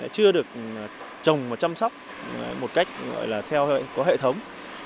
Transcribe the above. chưa được trồng và chăm sóc một cách gọi là có hệ thống